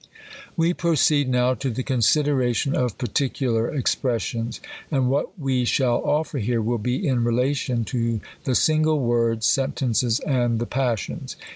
We proceed now to the consideration of particular expressions. And what we shall offer here, w iil be in relation to the single words, sentences, and the pas sions.